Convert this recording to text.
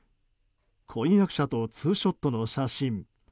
婚約者とツーショットの写真。